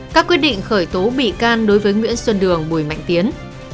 các quyết định khởi tố bị can đối với nguyễn xuân đường bùi mạnh tiến